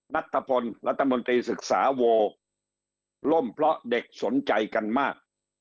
นัทธพลรัฐมนตรีศึกษาโวล่มเพราะเด็กสนใจกันมาก